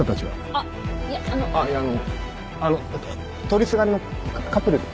あっいやあのあの通りすがりのカップルっていうか。